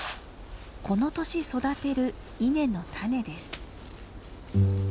この年育てる稲の種です。